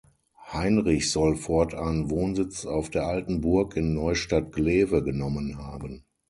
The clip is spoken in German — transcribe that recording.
Heinrich soll fortan Wohnsitz auf der Alten Burg in Neustadt-Glewe genommen haben.